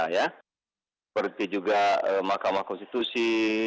seperti juga mahkamah konstitusi